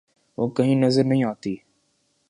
وہ کہیں نظر نہیں آتی۔